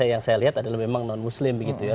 yang saya lihat adalah memang non muslim begitu ya